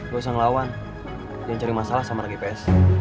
lo bisa ngelawan jangan cari masalah sama rgps